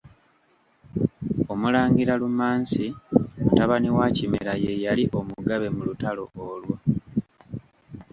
Omulangira Lumansi mutabani wa Kimera ye yali omugabe mu lutalo olwo.